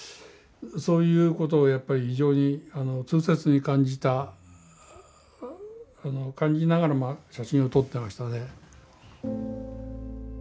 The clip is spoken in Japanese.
そういうことをやっぱり非常に痛切に感じながらも写真を撮ってましたね。